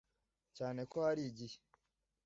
cyane ko hari igihe